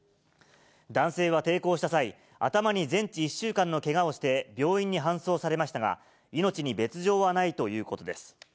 男性は抵抗した際、頭に全治１週間のけがをして、病院に搬送されましたが、命に別状はないということです。